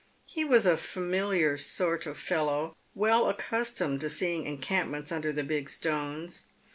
He was a fa miliar sort of fellow, well accustomed to seeing encampments under the big stones.